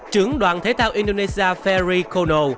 trưởng đoàn thể tạo indonesia ferry kono